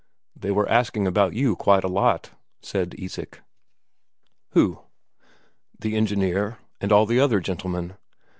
"They were asking about you, quite a lot," said Isak. "Who?" "The engineer, and all the other gentlemen.